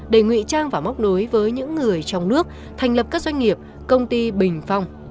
đề nghị trang và móc đối với những người trong nước thành lập các doanh nghiệp công ty bình phong